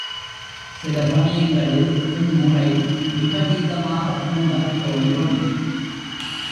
சில சமயங்களில் இம் முறை விபரீதமாகக்கூடத் தோன்றும்.